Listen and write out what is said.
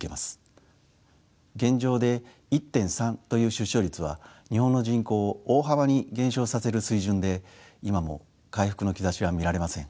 現状で１．３という出生率は日本の人口を大幅に減少させる水準で今も回復の兆しは見られません。